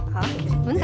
oh bentar ya